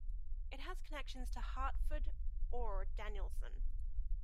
It has connections to Hartford or Danielson.